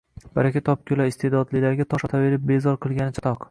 Baraka topgurlar iste’dodlilarga tosh otaverib bezor qilgani chatoq.